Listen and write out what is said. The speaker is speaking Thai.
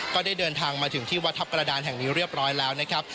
ก็ได้เดินทางมาถึงที่วัดทัพกระดานแห่งนี้เรียบร้อยแล้วนะครับ